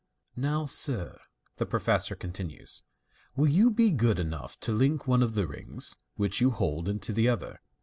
" Now, sir," the professor continues, " will you be good enough to link one of the rings which you hold into the other."